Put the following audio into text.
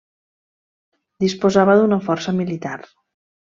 Disposava d'una força militar.